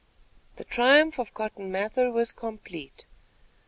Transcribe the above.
The triumph of Cotton Mather was complete.